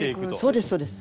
そうですそうです。